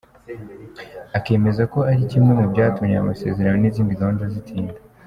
Akemeza ko ari kimwe mu byatumye aya masezerano n’izindi gahunda zitinda.